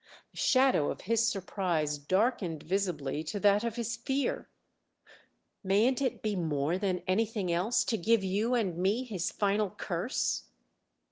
The shadow of his surprise darkened visibly to that of his fear. "Mayn't it be more than anything else to give you and me his final curse?"